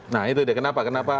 nah itu deh kenapa